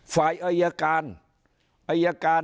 ฝ่ายอรรยาการ